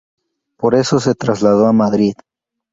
Por eso se trasladó a Madrid.